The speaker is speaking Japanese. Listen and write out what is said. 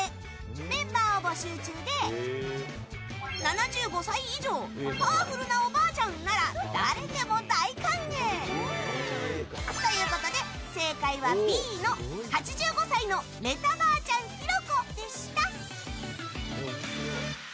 メンバーを募集中で７５歳以上パワフルなおばあちゃんなら誰でも大歓迎！ということで正解はＢの８５歳のメタばあちゃん・ひろこでした。